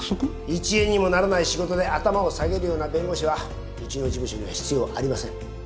一円にもならない仕事で頭を下げるような弁護士はうちの事務所には必要ありません。